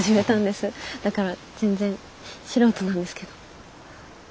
だから全然素人なんですけど。